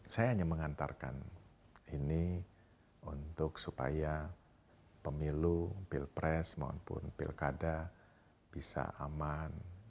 saya hanya mengantarkan ini untuk supaya pemilu pilpres maupun pilkada bisa aman